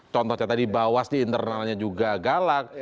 contohnya tadi bawas di internalnya juga galak